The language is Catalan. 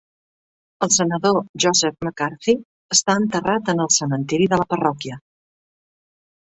El senador Joseph McCarthy està enterrat en el cementiri de la parròquia.